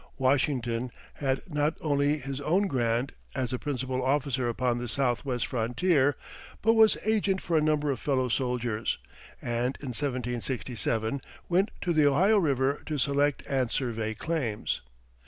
Washington had not only his own grant, as the principal officer upon the southwest frontier, but was agent for a number of fellow soldiers, and in 1767 went to the Ohio River to select and survey claims.